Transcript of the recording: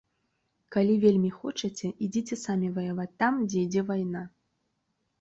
Калі вельмі хочаце, ідзіце самі ваяваць там, дзе ідзе вайна.